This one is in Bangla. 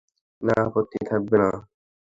না আপত্তি থাকবে কেন?